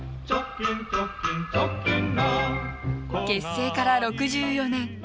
結成から６４年。